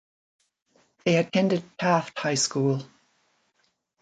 They attended Taft High School.